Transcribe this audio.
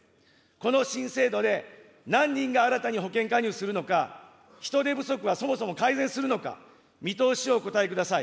この新制度で何人が新たに保険加入するのか、人手不足はそもそも改善するのか、見通しをお答えください。